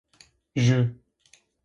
Jü